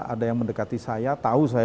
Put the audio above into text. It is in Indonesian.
ada yang mendekati saya tahu saya